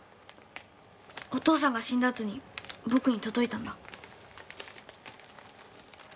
お父さんが死んだあとに僕に届いたんだ。